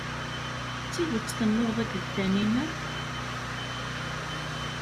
D tidet tennuɣeḍ akked Taninna?